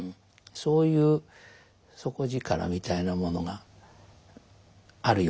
そういう底力みたいなものがあるように思いますね。